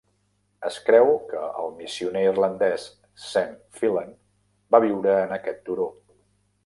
Es creu que el missioner irlandès Saint Fillan va viure en aquest turó.